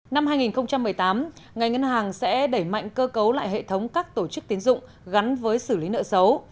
năm hai nghìn một mươi tám ngành ngân hàng sẽ đẩy mạnh cơ cấu lại hệ thống các tổ chức tiến dụng gắn với xử lý nợ xấu